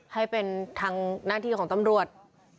ให้เป็นทางหน้าที่ของตำรวจ